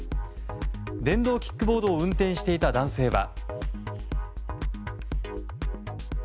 電動キックボードを運転していた男性は。